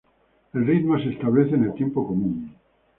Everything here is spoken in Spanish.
El ritmo se establece en el tiempo común.